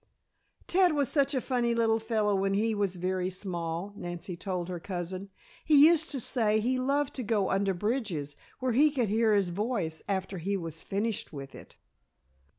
"Ted was such a funny little fellow when he was very small," Nancy told her cousin. "He used to say he loved to go under bridges, where he could hear his voice after he was finished with it."